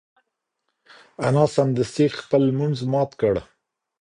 انا سمدستي خپل لمونځ مات کړ.